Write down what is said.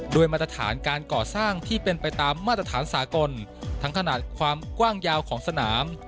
มาตรฐานการก่อสร้างที่เป็นไปตามมาตรฐานสากลทั้งขนาดความกว้างยาวของสนาม